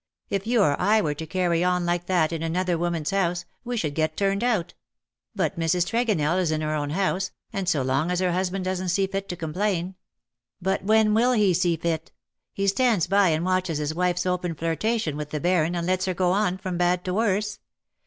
If you or I were to carry on like that in another woman's house we should get turned out ; but Mrs. Tregonell is in her own house^ and so long as her husband doesn't see fit to complain "" But when will he see fit ? He stands by and watches his wife's open flirtation with the Baron, and lets her go on from bad to worse.